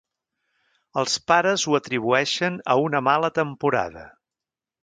Els pares ho atribueixen a una mala temporada.